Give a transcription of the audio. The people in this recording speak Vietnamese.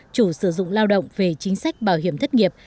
chủ sử dụng lao động về chính sách bảo hiểm thất nghiệp